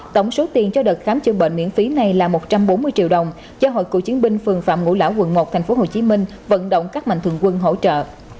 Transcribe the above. tổng số tiền cho đợt khám chữa bệnh miễn phí này là một trăm bốn mươi triệu đồng do hội cụ chiến binh phường phạm ngũ lão tp hcm vận động các mạnh thường quân hỗ trợ